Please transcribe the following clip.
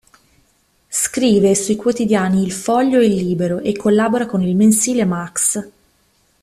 Scrive sui quotidiani "Il Foglio" e "Libero", e collabora con il mensile "Max".